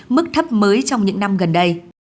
mức thấp mới trong những năm gần đây